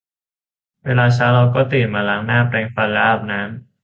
เวลาเช้าเราก็ตื่นมาล้างหน้า แปรงฟัน แล้วก็อาบน้ำ